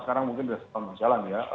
sekarang mungkin sudah setahun berjalan ya